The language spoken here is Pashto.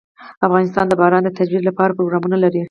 افغانستان د باران د ترویج لپاره پروګرامونه لري.